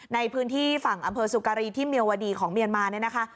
ในพื้นที่ฝั่งอำเภอสุการีที่เมียวดีของเมียนมาเนี่ยนะคะ